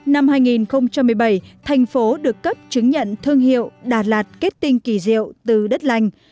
năm hai nghìn một mươi bảy thành phố được cấp chứng nhận thương hiệu đà lạt kết tinh kỳ diệu từ đất lành